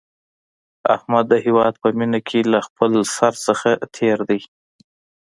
احمد د هیواد په مینه کې له خپل سر نه تېر دی.